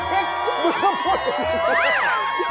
พี่หมีพริก